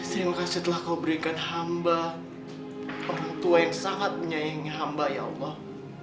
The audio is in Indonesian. terima kasih telah kau berikan hamba orang tua yang sangat menyayangi hamba ya allah